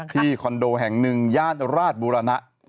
ที่คอนโดแห่ง๑ญาติราชบูรณะ